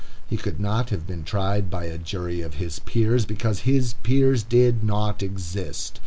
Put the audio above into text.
He could not have been tried by a jury of his peers, because his peers did not exist.